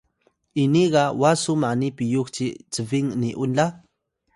ini ga wa su mani piyux ci cbing ni’un la?